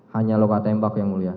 hanya luka tembak yang mulia